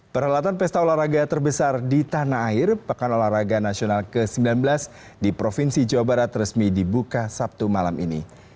perhelatan pesta olahraga terbesar di tanah air pekan olahraga nasional ke sembilan belas di provinsi jawa barat resmi dibuka sabtu malam ini